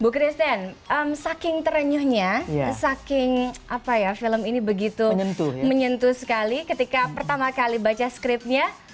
bu christine saking terenyuhnya saking apa ya film ini begitu menyentuh sekali ketika pertama kali baca skriptnya